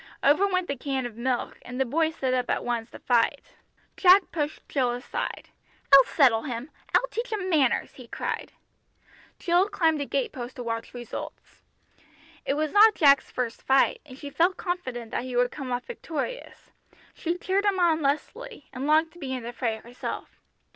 Over went the can of milk, and the boy stood up at once to fight. Jack pushed Jill aside. "I'll settle him! I'll teach him manners!" he cried. Jill climbed a gate post to watch results. It was not Jack's first fight, and she felt confident that he would come off victorious. She cheered him on lustily, and longed to be in the fray herself.